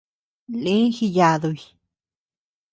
Lï jiyaduy.